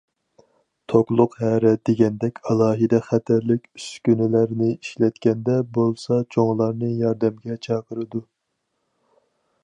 توكلۇق ھەرە دېگەندەك ئالاھىدە خەتەرلىك ئۈسكۈنىلەرنى ئىشلەتكەندە بولسا چوڭلارنى ياردەمگە چاقىرىدۇ.